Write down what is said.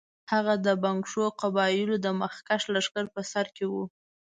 هغه د بنګښو قبایلو د مخکښ لښکر په سر کې وو.